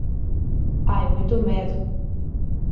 Hai moito medo.